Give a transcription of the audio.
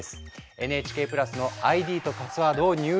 ＮＨＫプラスのＩＤとパスワードを入力